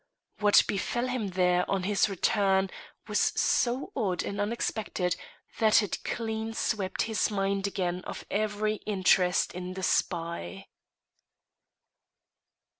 What befell him there on his return was so odd and unexpected that it clean swept his mind again of every interest in the spy.